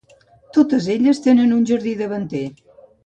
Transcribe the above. Totes elles tenen un jardí davanter.